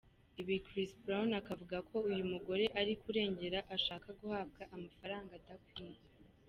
Ibi Chris Brown akavuga ko uyu mugore ari kurengera ashaka guhabwa amafaranga adakwiye.